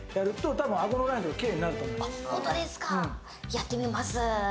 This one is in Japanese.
やってみます。